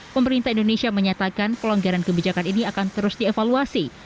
pemerintah indonesia menyatakan pelonggaran kebijakan ini akan terus dievaluasi